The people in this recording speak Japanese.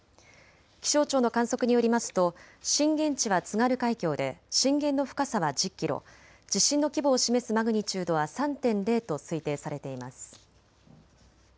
気象庁の観測によりますと震源地は津軽海峡で震源の深さは１０キロ、地震の規模を示すマグニチュードは３．０と推定されています。